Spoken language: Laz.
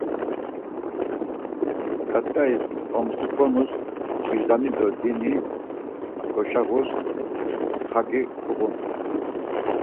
Ǩart̆ais; omsifonus, vicdani do dini goşağus xaǩi uğun.